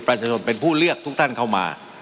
ประชาชนเป็นผู้เลือกทุกท่านเข้ามา